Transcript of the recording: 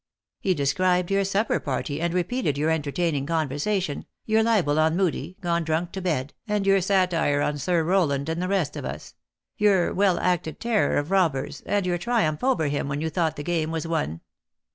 He described your supper party, and repeated your entertaining conversation, your libel on Moodie, gone drunk to bed, and your satire on Sir Rowland and the rest of us ; your well acted terror of robhers, and your triumph over him when you thought the game was won.